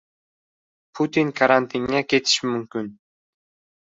Putin karantinga ketishi mumkin